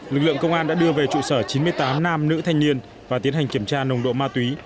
lực lượng công an đã đưa về trụ sở chín mươi tám nam nữ thanh niên và tiến hành kiểm tra nồng độ ma túy